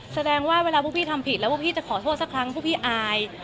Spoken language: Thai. แสดงว่าเวลาพวกพี่ทำผิดแล้วพวกพี่จะขอโทษสักครั้งพวกพี่อาย